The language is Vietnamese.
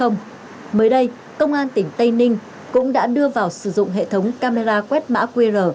mới đây công an tỉnh tây ninh cũng đã đưa vào sử dụng hệ thống camera quét mã qr